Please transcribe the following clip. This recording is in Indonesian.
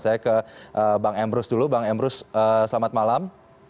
saya ke bang emru dulu bang emru selamat malam